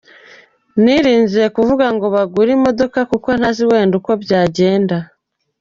Nirinze kuvuga ngo bagure imodoka kuko ntazi wenda uko byagenda.